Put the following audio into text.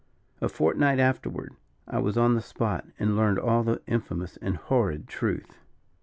A fortnight afterward I was on the spot, and learned all the infamous and horrid truth.